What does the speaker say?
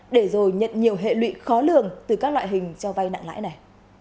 để rồi nhận nhiều hệ lụy khó lường từ các loại hình cho vay nặng lãi này